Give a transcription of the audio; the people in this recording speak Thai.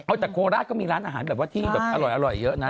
เอาแต่โคราชก็มีร้านอาหารแบบว่าที่แบบอร่อยเยอะนะ